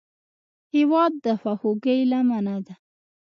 هېواد د خواخوږۍ لمنه ده.